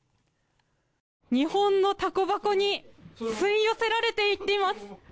日本のタコ箱に吸い寄せられていっています。